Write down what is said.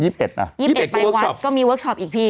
๒๑ไปเวิร์กช็อปก็มีเวิร์กช็อปอีกพี่